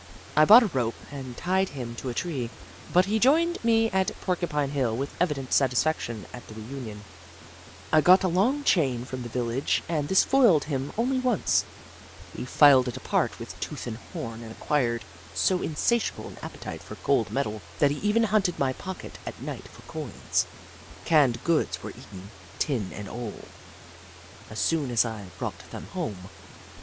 I bought a rope and tied him to a tree, but he joined me at Porcupine Hill with evident satisfaction at the reunion. I got a long chain Jagg, the Skootaway Goat 39 from the village and this foiled him only once. He filed it apart with tooth and horn and acquired so insatiable an appetite for cold metal that he even hunted my pockets at night for coins. Canned goods were eaten, tin and all, as soon as I brought them home.